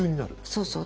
そうそう。